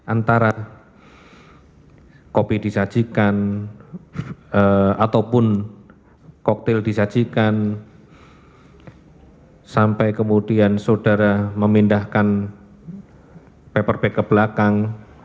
antara kopi disajikan ataupun koktel disajikan sampai kemudian saudara memindahkan paperback ke belakang